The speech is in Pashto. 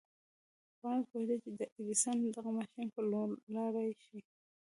بارنس پوهېده چې د ايډېسن دغه ماشين پلورلای شي.